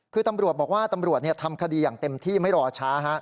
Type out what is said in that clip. คือตำรวจบอกว่าตำรวจทำคดีอย่างเต็มที่ไม่รอช้า